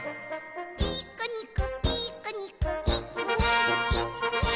「ピクニックピクニックいちにいちに」